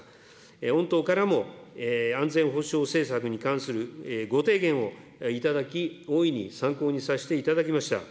御党からも安全保障政策に関するご提言を頂き、大いに参考にさせていただきました。